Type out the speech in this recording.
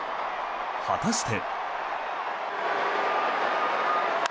果たして。